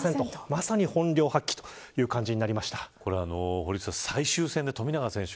堀内さん、最終戦で富永選手